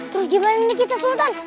terus gimana nih kita sultan